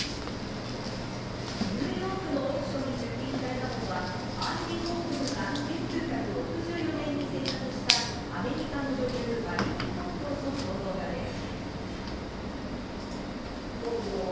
ニューヨークのオークションに出品されたのは、アンディ・ウォーホルが１９６４年に制作したアメリカの女優、マリリン・モンローの肖像画です。